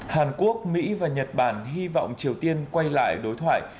hàn quốc mỹ và nhật bản hy vọng triều tiên quay lại đối thoại